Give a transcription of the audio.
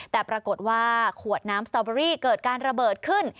แต่ปรากฏว่าขวดน้ำสตอเบอรี่เกิดการระเบิดขึ้น